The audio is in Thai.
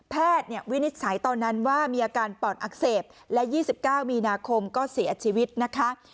วินิจฉัยตอนนั้นว่ามีอาการปอดอักเสบและ๒๙มีนาคมก็เสียชีวิตนะคะ